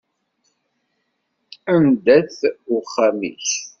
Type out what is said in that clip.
Anda-t uxxam-ik?